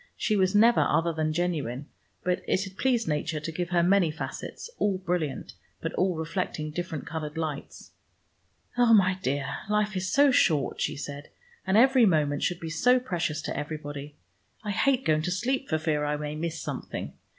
She was never other than genuine, but it had pleased Nature to give her many facets, all brilliant, but all reflecting different colored lights. "Oh, my dear, life is so short," she said, "and every moment should be so precious to everybody. I hate going to sleep, for fear I may miss something.